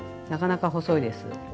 なかなか細いです。